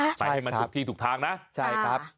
ไปให้มันถูกที่ถูกทางนะใช่ครับ